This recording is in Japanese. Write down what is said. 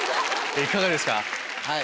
いかがですか？